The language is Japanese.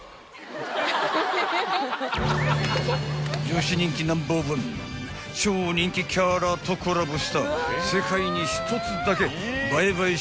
［女子人気ナンバーワン超人気キャラとコラボした世界に一つだけ映え映え